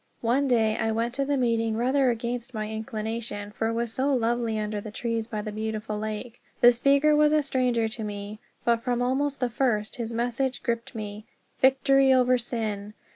One day I went to the meeting rather against my inclination, for it was so lovely under the trees by the beautiful lake. The speaker was a stranger to me, but from almost the first his message gripped me. Victory over Sin!